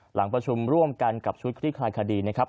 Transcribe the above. หลังประชุมร่วมกันกับชุดคลี่คลายคดีนะครับ